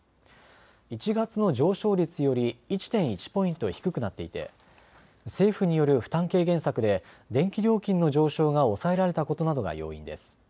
１月の上昇率より１．１ポイント低くなっていて政府による負担軽減策で電気料金の上昇が抑えられたことなどが要因です。